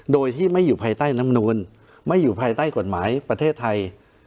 โดยที่ไม่อยู่ภายใต้น้ำนูนไม่อยู่ภายใต้กฎหมายประเทศไทย